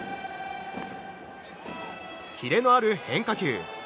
キレのある変化球。